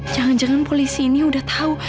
jangan jangan polisi ini udah tau